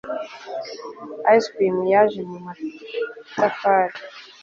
ice cream yaje mu matafari